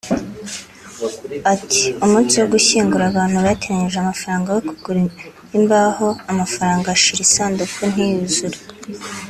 Ati “Umunsi wo kumushyingura abantu bateranyije amafaranga yo kugura imbaho amafaranga arashira isanduku ntiyuzura